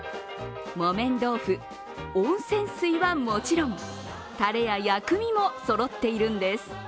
木綿豆腐、温泉水はもちろん、たれや薬味もそろっているんです。